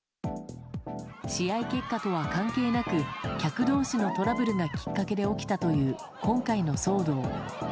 試合結果とは関係なく、客どうしのトラブルがきっかけで起きたという今回の騒動。